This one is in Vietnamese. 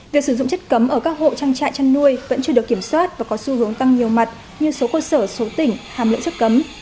việc sử dụng chất cấm ở các hộ trang trại chăn nuôi vẫn chưa được kiểm soát và có xu hướng tăng nhiều mặt như số cơ sở số tỉnh hàm lượng chất cấm